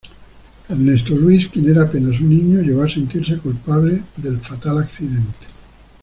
Ernesto Luis, quien era apenas un niño, llegó a sentirse culpable del fatal accidente.